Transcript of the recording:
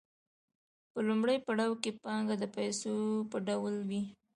په لومړي پړاو کې پانګه د پیسو په ډول وي